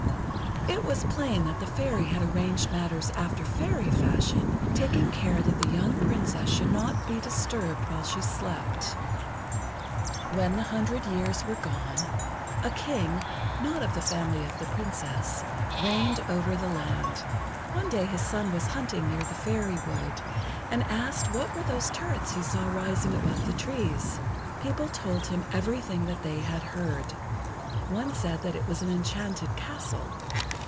It was plain that the Fairy had arranged matters after Fairy fashion, taking care that the young Princess should not be disturbed while she slept. When the hundred years were gone, a King, not of the family of the Princess, reigned over the land. One day his son was hunting near the Fairy wood, and asked what were those turrets he saw rising above the trees. People told him everything that they had heard. One said that it was an enchanted castle.